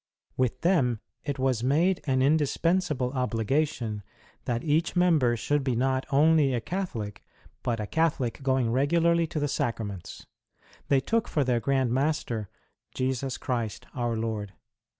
With them it was made an indispensable obligation that each member should be not only a Catholic, but a Catholic going regularly to the Sacra ments. They took for their Grand Master, Jesus Christ Our Lord.